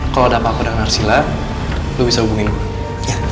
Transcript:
kalau ada apa apa dengan arshila lo bisa hubungin gue